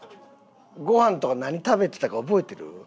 ごはんとか何食べてたか覚えてる？